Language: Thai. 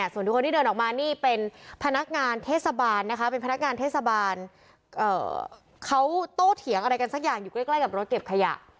ส่วนทุกคนที่เดินออกมานี่เป็นพนักงานเทศบาลนะคะเป็นพนักงานเทศบาลเขาโตเถียงอะไรกันสักอย่างอยู่ใกล้กับรถเก็บขยะ